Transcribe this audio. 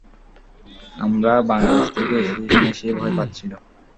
আমরা বাংলাদেশ থেকে এসেছি শুনে সে ভয় পাচ্ছিলো।